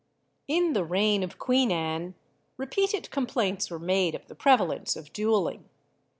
In the reign of Queen Anne, repeated complaints were made of the prevalence of duelling.